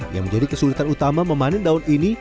yang menjadi kesulitan utama memanen daun ini